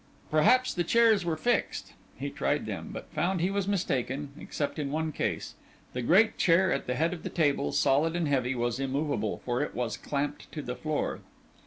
Perhaps the chairs were fixed. He tried them, but found he was mistaken, except in one case. The great chair at the head of the table, solid and heavy, was immovable, for it was clamped to the floor.